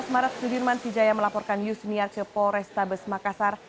dua belas maret sudirman sijaya melaporkan yusniar ke polrestabes makassar